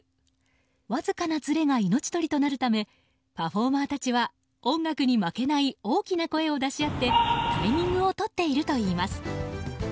わずかなずれが命取りとなるためパフォーマーたちは音楽に負けない大きな声を出し合ってタイミングをとっているといいます。